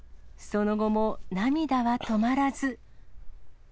その後も涙は止まらず。